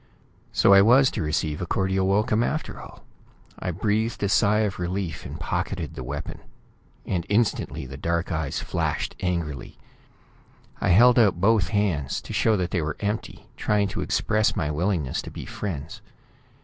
So I was to receive a cordial welcome after all! I breathed a sigh of relief, and pocketed the weapon and instantly the dark eyes flashed angrily. I held out both hands, to show that they were empty, trying to express my willingness to be friends.